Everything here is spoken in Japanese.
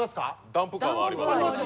ダンプカーはあります。